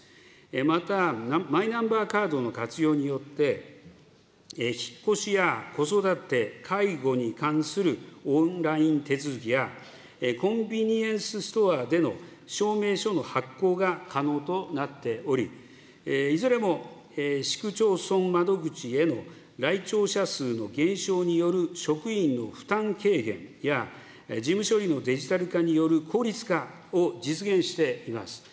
またマイナンバーカードの活用によって、引っ越しや子育て、介護に関するオンライン手続きや、コンビニエンスストアでの証明書の発行が可能となっており、いずれも市区町村窓口への来庁者数の減少による職員の負担軽減や、事務処理のデジタル化による効率化を実現しています。